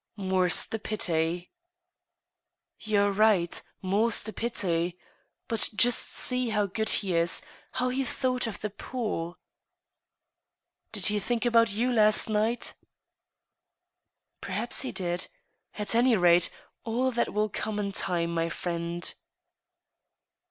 " More's the pity." You are right ; more's the pity. ... But just see how good he is — ^how he thought of the poor !"Did he think about you last night ?"" Perhaps he did. ... At any rate, all that will come in time, my friend."